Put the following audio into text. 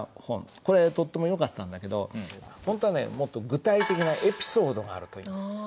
これとってもよかったんだけどほんとはねもっと具体的なエピソードがあるといいんです。